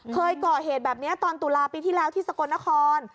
เคยก่อเหตุแบบนี้ตอนตุลาปีที่แล้วที่สกลนคร